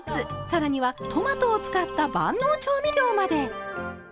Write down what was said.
更にはトマトを使った万能調味料まで！